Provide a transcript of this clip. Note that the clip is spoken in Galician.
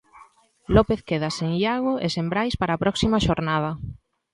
López queda sen Iago e sen Brais para a próxima xornada.